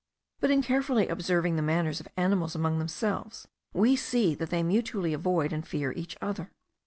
But in carefully observing the manners of animals among themselves, we see that they mutually avoid and fear each other.